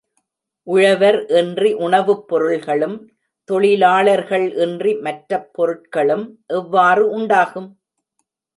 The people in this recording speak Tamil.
உழவர் இன்றி உணவுப் பொருள்களும், தொழிலாளர்கள் இன்றி மற்ற பொருள்களும் எவ்வாறு உண்டாகும்?